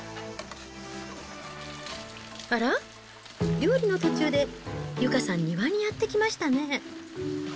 あらっ、料理の途中で由佳さん、庭にやって来ましたね。